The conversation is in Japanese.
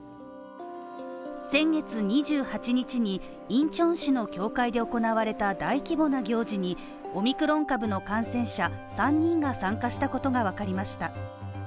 先月２８日に、インチョン市の教会で行われた大規模な行事にオミクロン株の感染者３人が参加したことがわかりました。